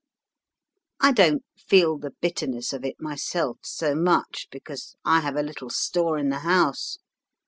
I don't feel the bitterness of it myself so much, because I have a little store in the house.